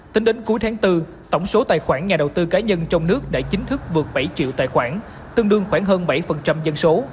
tính đến cuối tháng bốn tổng số tài khoản nhà đầu tư cá nhân trong nước đã chính thức vượt bảy triệu tài khoản tương đương khoảng hơn bảy dân số